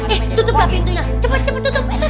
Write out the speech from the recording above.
eh tutup lah pintunya cepet cepet tutup